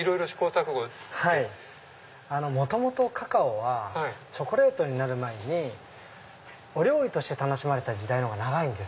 元々カカオはチョコレートになる前に料理として楽しまれた時代が長い。